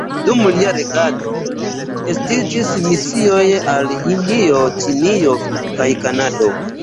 Dum lia regado estiĝis misioj al Hindio, Ĉinio kaj Kanado.